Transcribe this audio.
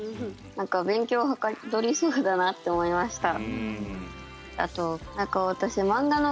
なんか勉強はかどりそうだなって思いました。